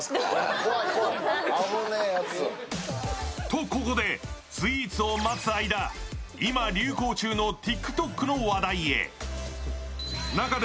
と、ここでスイーツを待つ間、今、流行中のＴｉｋＴｏｋの話題へ。